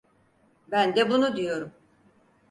Ben de bunu diyorum.